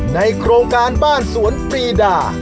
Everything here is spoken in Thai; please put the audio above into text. ในโครงการบ้านสวนปรีดา